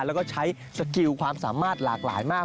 แล้วก็ใช้สกิลความสามารถหลากหลายมาก